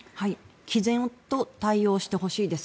きぜんと対応してほしいです。